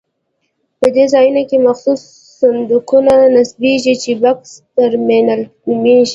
په دې ځایونو کې مخصوص صندوقونه نصبېږي چې بکس ترمینل نومېږي.